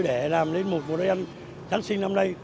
để làm lên một bộ đoàn giáng sinh năm nay